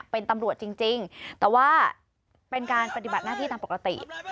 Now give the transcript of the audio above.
เป็นตำรวจจริงแต่ว่าเป็นการปฏิบัติหน้าที่ตามปกติ